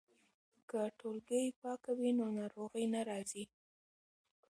که ټولګې پاکه وي نو ناروغي نه راځي.